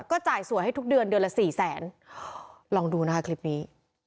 ก็จ่ายสวยให้ทุกเดือนเดือนละสี่แสนลองดูนะคะคลิปนี้